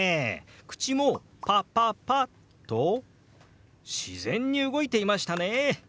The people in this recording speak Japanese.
口も「パパパ」と自然に動いていましたね。